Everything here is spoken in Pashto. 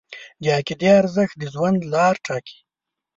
د عقیدې ارزښت د ژوند لار ټاکي.